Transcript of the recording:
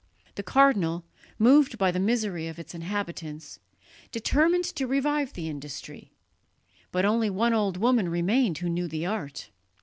The cardinal, moved by the misery of its inhabitants, determined to revive the industry; but only one old woman remained who knew the art.